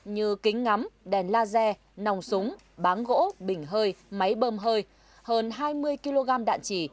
như kính ngắm đèn laser nòng súng bán gỗ bình hơi máy bơm hơi hơn hai mươi kg đạn chỉ